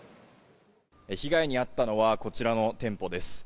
被害に遭ったのはこちらの店舗です。